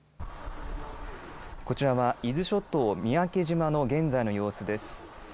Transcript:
こちらは伊豆諸島・三宅島の現在の様子です。